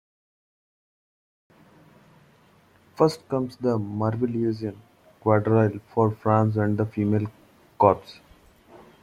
First comes the Marveilleusen Quadrille for Franz and the female corps.